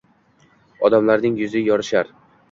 Odamlarning yuzi yorishar.